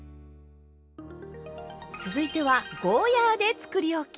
続いてはゴーヤーでつくりおき。